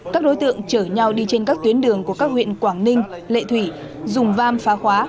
các đối tượng chở nhau đi trên các tuyến đường của các huyện quảng ninh lệ thủy dùng vam phá khóa